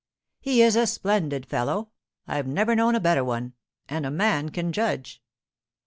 'He is a splendid fellow; I've never known a better one—and a man can judge.